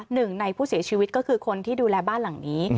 หนึ่งในผู้เสียชีวิตก็คือคนที่ดูแลบ้านหลังนี้